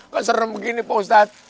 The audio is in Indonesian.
kok serem begini pak ustadz